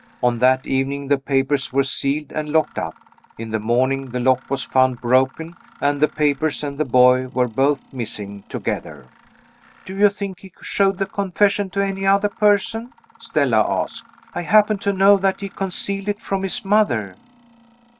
On that evening the papers were sealed, and locked up. In the morning the lock was found broken, and the papers and the boy were both missing together." "Do you think he showed the confession to any other person?" Stella asked. "I happen to know that he concealed it from his mother."